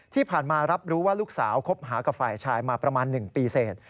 ที่ผ่านมารับรู้ว่าลูกสาวคบหากับฝ่ายชายมาประมาณ๑ปีเสร็จ